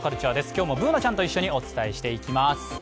今日もＢｏｏｎａちゃんと一緒にお伝えしていきます。